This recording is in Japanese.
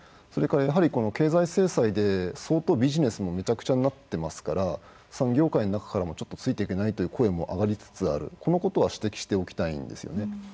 それからやはりこの経済制裁で相当ビジネスもめちゃくちゃになってますから産業界の中からもちょっとついていけないという声も上がりつつあるこのことは指摘しておきたいんですよね。